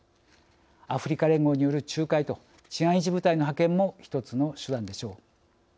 アフリカ連合による仲介と治安維持部隊の派遣も一つの手段でしょう。